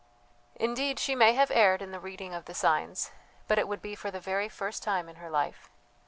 Indeed she may have erred in the reading of the signs, but it would be for the very first time in her life.